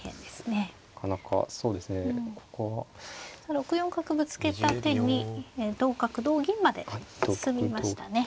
６四角ぶつけた手に同角同銀まで進みましたね。